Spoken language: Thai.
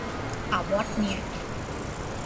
อ่าวบอทเนีย